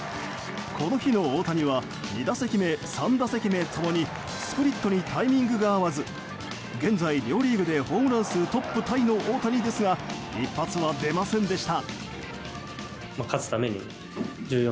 この日の大谷は２打席目、３打席目共にスプリットにタイミングが合わず現在、両リーグでホームラン数トップタイの大谷でしたが一発は出ませんでした。